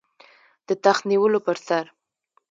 د تخت نیولو پر سر.